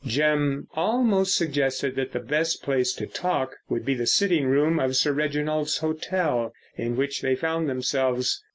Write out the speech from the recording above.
Jim almost suggested that the best place to talk would be the sitting room of Sir Reginald's hotel, in which they found themselves.